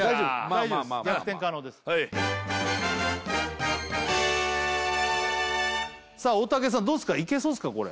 大丈夫です逆転可能ですさあ大竹さんどうすかいけそうすかこれ？